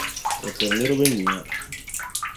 O tiri niriba nyuya.